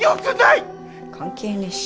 関係ねえし。